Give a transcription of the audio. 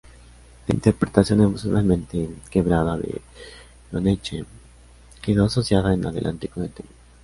La interpretación emocionalmente quebrada de Goyeneche quedó asociada en adelante con el tema.